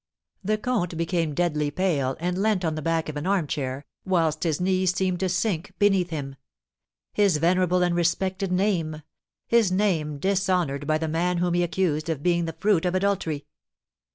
The comte became deadly pale, and leant on the back of an armchair, whilst his knees seemed to sink beneath him. His venerable and respected name, his name dishonoured by the man whom he accused of being the fruit of adultery!